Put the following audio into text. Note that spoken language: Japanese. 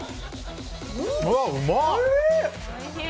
うわ、うまっ！